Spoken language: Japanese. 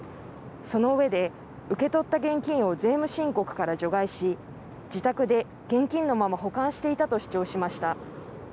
そのうえで受け取った現金を税務申告から除外し自宅で現金のまま保管していたと主張しました。